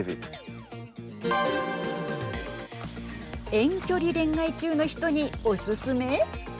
遠距離恋愛中の人におすすめ。